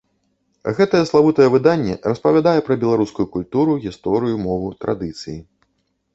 Гэтае славутае выданне распавядае пра беларускую культуру, гісторыю, мову, традыцыі.